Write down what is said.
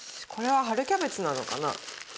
これは春キャベツなのかな？